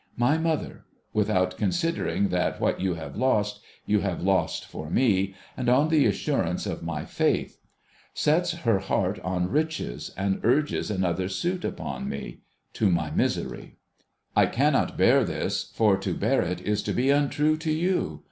My mother : without considering that what you have lost, you have lost for me, and on the assurance of my faith : sets her heart on riches, and urges another suit upon me, HIS MARRIAGE 31 to my misery. I cannot bear this, for to bear it is to be untrue to you.